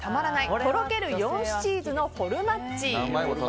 とろける４種チーズのフォルマッジ。